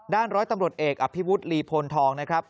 ร้อยตำรวจเอกอภิวุฒิลีพลทองนะครับ